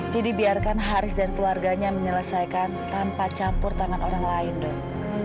jadi biarkan haris dan keluarganya menyelesaikan tanpa campur tangan orang lain dok